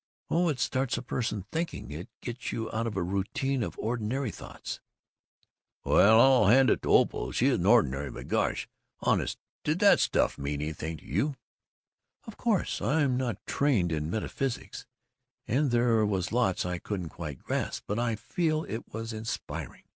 "Oh, it starts a person thinking. It gets you out of a routine of ordinary thoughts." "Well, I'll hand it to Opal she isn't ordinary, but gosh Honest, did that stuff mean anything to you?" "Of course I'm not trained in metaphysics, and there was lots I couldn't quite grasp, but I did feel it was inspiring.